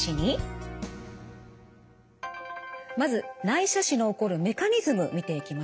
まず内斜視の起こるメカニズム見ていきましょう。